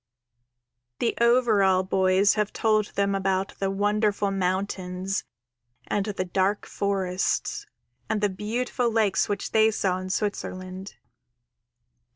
_ _The Overall Boys have told them about the wonderful mountains and the dark forests and the beautiful lakes which they saw in Switzerland.